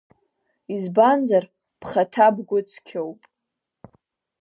Избанзар, бхаҭа бгәы цқьоуп.